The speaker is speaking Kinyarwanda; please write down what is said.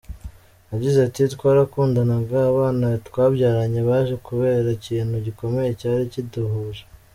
Yagize ati “Twarakundanaga, abana twabyaranye baje kubera ikintu gikomeye cyari kiduhuje.